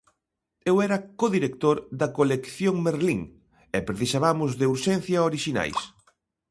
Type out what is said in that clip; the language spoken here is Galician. Eu era co-director da Colección Merlín e precisabamos de urxencia orixinais.